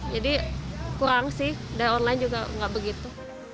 jadi kurang sih dari online juga nggak begitu